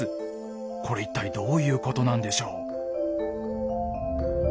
これ一体どういうことなんでしょう？